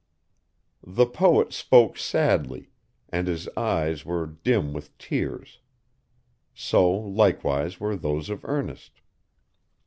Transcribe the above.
The poet spoke sadly, and his eyes were dim with tears. So, likewise, were those of Ernest.